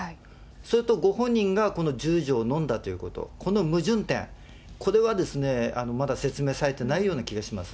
それとご本人が１０錠飲んだということ、この矛盾点、これはまだ説明されていないような気がします。